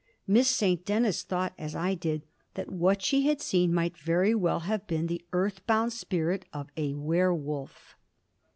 Miss St. Denis thought as I did, that what she had seen might very well have been the earth bound spirit of a werwolf.